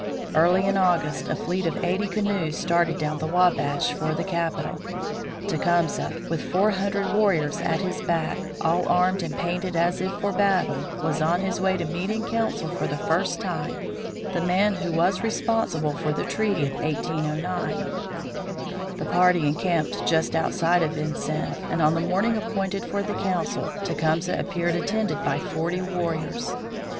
Early in August a fleet of eighty canoes started down the Wabash for the capital. Tecumseh, with four hundred warriors at his back, all armed and painted as if for battle, was on his way to meet in council for the first time the man who was responsible for the treaty of 1809. The party encamped just outside of Vincennes, and on the morning appointed for the council Tecumseh appeared attended by forty warriors.